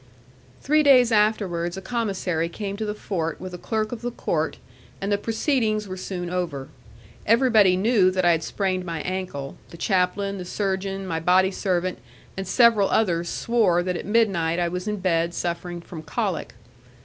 Three days afterwards, a commissary came to the fort with a clerk of the court, and the proceedings were soon over. Everybody knew that I had sprained my ankle; the chaplain, the surgeon, my body servant, and several others swore that at midnight I was in bed suffering from colic.